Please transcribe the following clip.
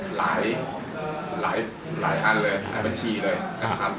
หลายอันเลยบัญชีเลย